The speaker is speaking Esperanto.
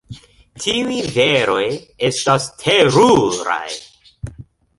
Tiuj veroj estas teruraj!